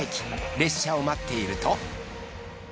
列車を待っていると。